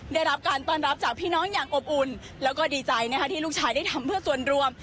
ได้รับการต้อนรับจากพี่น้องอย่างอบอุ่นแล้วก็ดีใจที่ลูกชายได้ทำเพื่อส่วนรวม